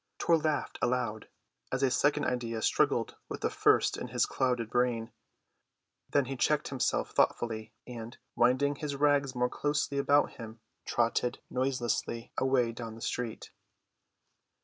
Tor laughed aloud as a second idea struggled with the first in his clouded brain; then he checked himself thoughtfully, and, winding his rags more closely about him, trotted noiselessly away down the street.